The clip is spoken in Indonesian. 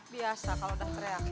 biasa kalau udah kereak